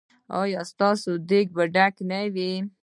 ایا ستاسو دیګ به ډک نه وي؟